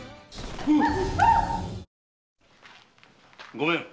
ごめん！